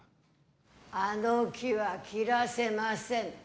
あの木は、切らせません。